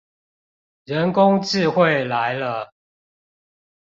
人工智慧來了